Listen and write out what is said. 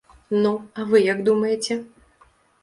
Ну, а вы як думаеце?